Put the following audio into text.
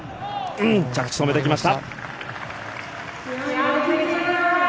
着地、止めてきました。